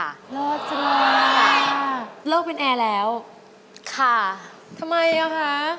เสร็จจังเลยค่ะเลิกเป็นแอร์แล้วทำไมแล้วค่ะ